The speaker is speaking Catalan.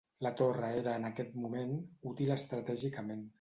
La torre era en aquest moment, útil estratègicament.